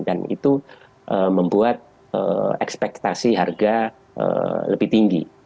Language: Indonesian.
dan itu membuat ekspektasi harga lebih tinggi